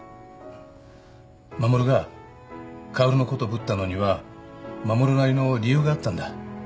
護が薫のことぶったのには護なりの理由があったんだ。